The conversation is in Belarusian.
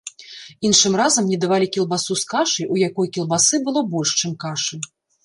Іншым разам мне давалі кілбасу з кашай, у якой кілбасы было больш, чым кашы.